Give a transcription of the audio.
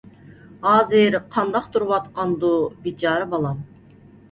ھازىر قانداق تۇرۇۋاتقاندۇ بىچارە بالام...